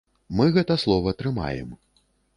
Мы гэта слова трымаем.